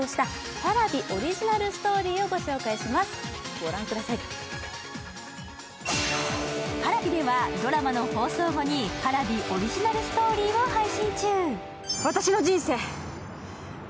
Ｐａｒａｖｉではドラマの放送後にＰａｒａｖｉオリジナルストーリーを配信中。